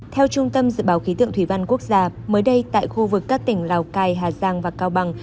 theo trung tâm dự báo khí tượng thủy văn quốc gia mới đây tại khu vực các tỉnh lào cai hà giang và cao bằng